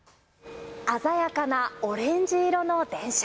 鮮やかなオレンジ色の電車。